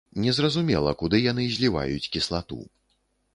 Не зразумела, куды яны зліваюць кіслату.